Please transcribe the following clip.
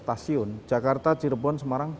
stasiun jakarta cirebon semarang